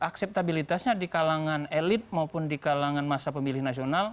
akseptabilitasnya di kalangan elit maupun di kalangan masa pemilih nasional